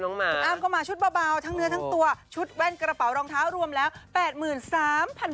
คุณอ้ำก็มาชุดเบาทั้งเนื้อทั้งตัวชุดแว่นกระเป๋ารองเท้ารวมแล้ว๘๓๐๐บาท